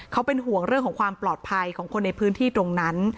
เขาเป็นห่วงเรื่องของความปลอดภัยของคนในพื้นที่ตรงนั้น